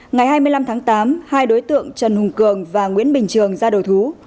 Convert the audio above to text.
ngày hai mươi năm tháng tám hai đối tượng trần hùng cường và nguyễn bình trường ra đầu thú